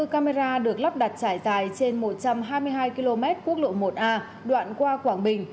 hai mươi camera được lắp đặt trải dài trên một trăm hai mươi hai km quốc lộ một a đoạn qua quảng bình